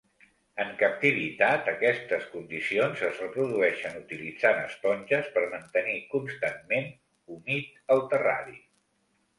En captivitat aquestes condicions es reprodueixen utilitzant esponges per mantenir constantment humit el terrari.